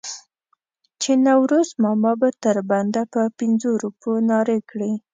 چې نوروز ماما به تر بنده په پنځو روپو نارې کړې.